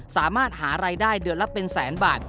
สามารถหารายได้เดือนละเป็นแสนบาท